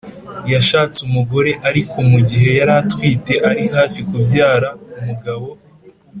yashatse umugore, ariko mu gihe yari atwite ari hafi kubyara, umugabo